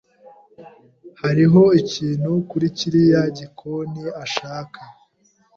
Hariho ikintu kuri kiriya gikoni ashaka.